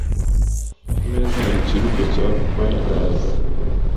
Ku meza hari ikirundo cya binders .